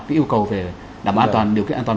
cái yêu cầu về đảm bảo điều kiện an toàn